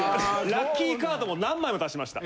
ラッキーカードも何枚も出しました。